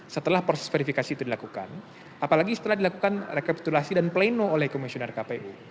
setelah proses verifikasi itu dilakukan apalagi setelah dilakukan rekapitulasi dan pleno oleh komisioner kpu